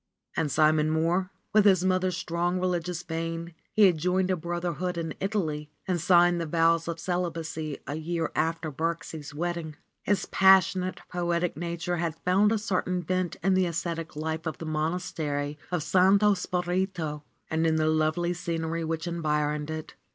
And Simon Mohr?* With his mother's strong religious vein, he had joined a brotherhood in Italy and signed the vows of celibacy a year after Birksie's wedding. His passionate, poetic nature had found a certain vent in the ascetic life of the Monastery of Santo Spirito and in the lovely scenery which environed it.